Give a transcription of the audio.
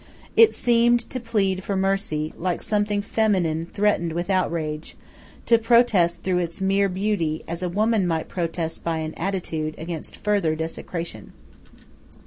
It seemed to plead for mercy, like something feminine threatened with outrage, to protest through its mere beauty, as a woman might protest by an attitude, against further desecration.